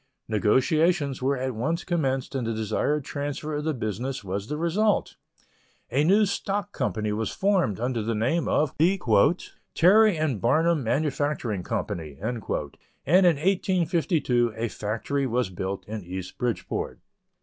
Negotiations were at once commenced and the desired transfer of the business was the result. A new stock company was formed under the name of the "Terry & Barnum Manufacturing Company," and in 1852 a factory was built in East Bridgeport.